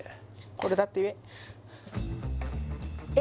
これだって言ええ